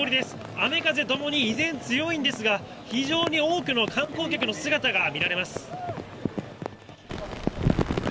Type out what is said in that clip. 雨風ともに、依然強いんですが、非常に多くの観光客の姿が見られます。